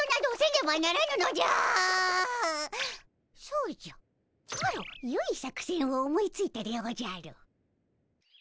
そうじゃマロよい作戦を思いついたでおじゃる。